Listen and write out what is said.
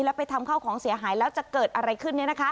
แล้วไปทำข้าวของเสียหายแล้วจะเกิดอะไรขึ้น